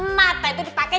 mata itu dipakai